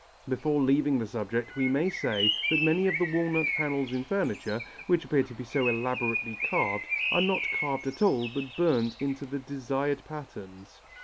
Before leaving the subject, we may say that many of the walnut panels in furniture, which appear to be so elaborately carved, are not carved at all but burnt into the desired patterns.